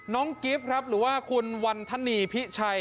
กิฟต์ครับหรือว่าคุณวันธนีพิชัย